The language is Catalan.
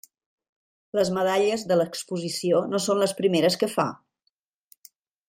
Les medalles de l'Exposició no són les primeres que fa.